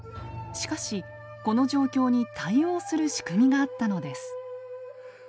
しかしこの状況に対応する仕組みがあったのです。